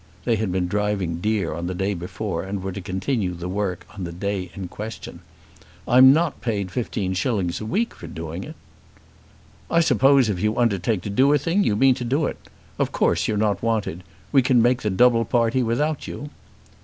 They had been driving deer on the day before and were to continue the work on the day in question. "I'm not paid fifteen shillings a week for doing it." "I suppose if you undertake to do a thing you mean to do it. Of course you're not wanted. We can make the double party without you."